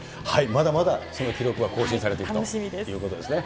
まだまだその記録が更新されていくということですね。